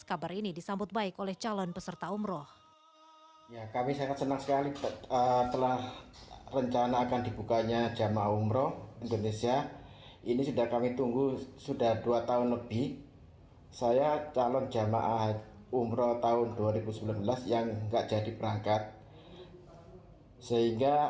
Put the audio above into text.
kabar ini disambut baik oleh calon peserta umroh